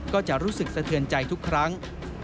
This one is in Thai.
ก็จะรู้สึกสะเทือนใจทุกครั้ง